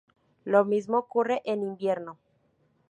Lo mismo ocurre en invierno.